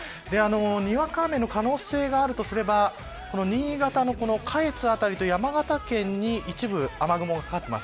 にわか雨の可能性があるとすれば新潟の下越と山形県に一部雨雲がかかっています。